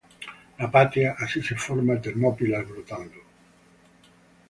La patria así se forma termópilas brotando;